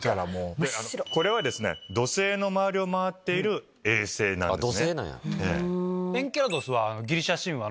これは土星の周りを回っている衛星なんですね。